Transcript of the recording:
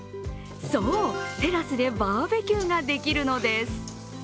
そう、テラスでバーベキューができるのです。